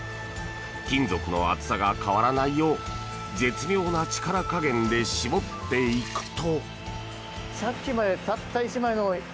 金属の厚さが変わらないよう絶妙な力加減で絞っていくと。